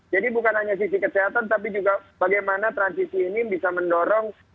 jadi bukan hanya sisi kesehatan tapi juga bagaimana transisi ini bisa mendorong